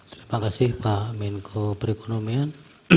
terima kasih pak amin